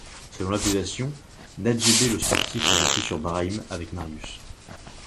Selon l'accusation, Najebe le sportif s'est jeté sur Brahim, avec Marius.